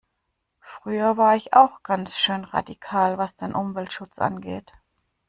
Früher war ich auch ganz schön radikal was den Umweltschutz angeht.